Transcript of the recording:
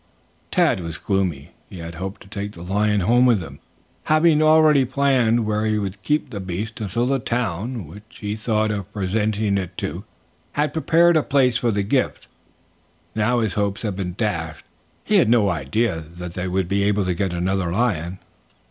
Tad was gloomy. He had hoped to take the lion home with them, having already planned where he would keep the beast until the town, which he thought of presenting it to, had prepared a place for the gift. Now his hopes had been dashed. He had no idea that they would be able to get another lion.